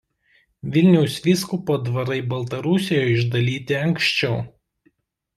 Vilniaus vyskupo dvarai Baltarusijoje išdalyti anksčiau.